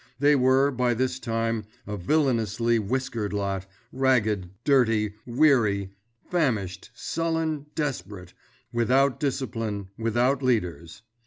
They were, by this time, a villainously whiskered lot—ragged, dirty, weary, famished, sullen, desperate—without discipline, without leaders.